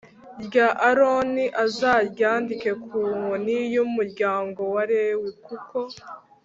Rya aroni uzaryandike ku nkoni y umuryango wa lewi kuko